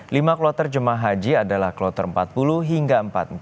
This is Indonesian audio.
lima kloter jemaah haji adalah kloter empat puluh hingga empat puluh empat